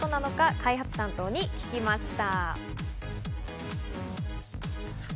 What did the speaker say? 開発担当に聞きました。